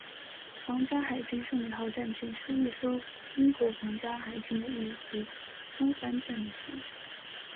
皇家海军胜利号战舰是一艘英国皇家海军的一级风帆战列舰。